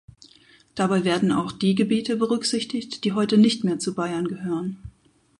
Dabei werden auch die Gebiete berücksichtigt, die heute nicht mehr zu Bayern gehören.